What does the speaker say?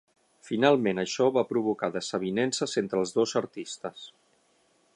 Finalment això va provocar desavinences entre els dos artistes.